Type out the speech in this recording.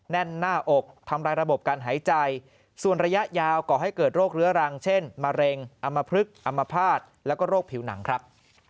แน่นหน้าอกทำร้ายระบบการหายใจส่วนระยะยาวก่อให้เกิดโรคเรื้อรังเช่นมะเร็งอำมพลึกอำมภาษณ์แล้วก็โรคผิวหนังครับ